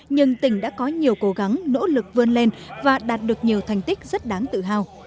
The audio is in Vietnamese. nhưng tỉnh đã có nhiều cố gắng nỗ lực vươn lên và đạt được nhiều thành tích rất đáng tự hào